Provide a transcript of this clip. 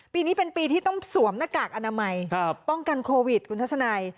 ปีนี้เป็นปีที่ต้องสวมหน้ากากอนามัยป้องกันโควิดคุณทัศนัย